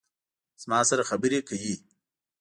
زما سره خبرې کوي